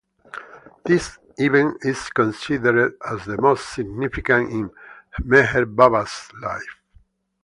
This event is considered as the most significant in Meher Baba's life.